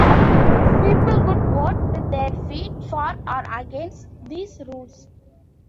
People could "vote with their feet" for or against these rules.